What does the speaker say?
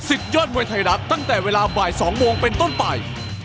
ยอดมวยไทยรัฐตั้งแต่เวลาบ่าย๒โมงเป็นต้นไป